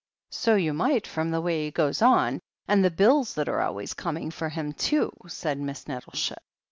"So you might, from the way he goes on. And the bills that are always coming for him, too t" said Miss Nettleship.